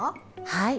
はい。